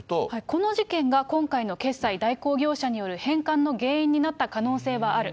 この事件が今回の決済代行業者による返還の原因になった可能性はある。